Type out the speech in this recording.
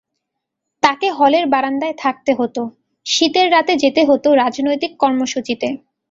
তাঁকে হলের বারান্দায় থাকতে হতো, শীতের রাতে যেতে হতো রাজনৈতিক কর্মসূচিতে।